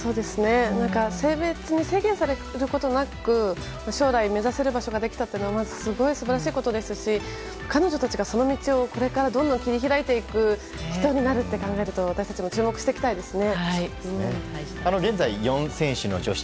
性別に制限されることなく将来目指せる場所ができたのはまず素晴らしいことですし彼女たちがその道をこれからどんどん切り開いていく人になると考えると私たちも注目していきたいですね。